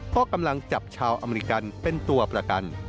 ก็กำลังจับชาวอเมริกันเป็นตัวประกัน